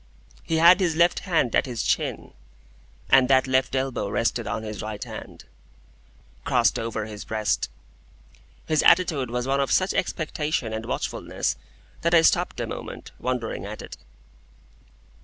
He had his left hand at his chin, and that left elbow rested on his right hand, crossed over his breast. His attitude was one of such expectation and watchfulness that I stopped a moment, wondering at it.